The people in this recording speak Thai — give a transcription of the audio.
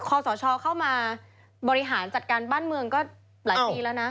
คอสชเข้ามาบริหารจัดการบ้านเมืองก็หลายปีแล้วนะ